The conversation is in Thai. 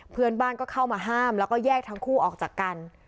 เพื่อนบ้านก็เข้ามาห้ามแล้วก็แยกทั้งคู่ออกจากกัน